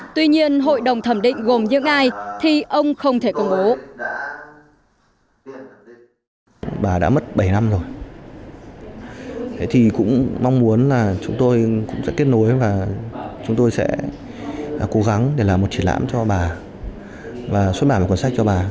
tuy nhiên hội đồng thẩm định gồm những ai thì ông không thể công bố